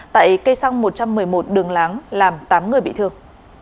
tại cây xăng một trăm một mươi một đường láng làm tám người bị thương